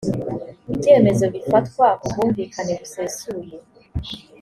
ibyemezo bifatwa ku bwumvikane busesuye